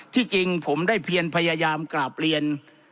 จริงผมได้เพียนพยายามกราบเรียน